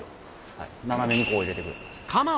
斜めにこう入れてく。